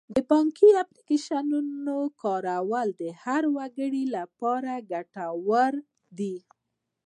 د بانکي اپلیکیشن کارول د هر وګړي لپاره ګټور دي.